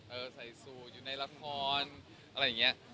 เออใสซูลอยู่ในลัฟพร้อนอะไรอย่างเงี๊ยะ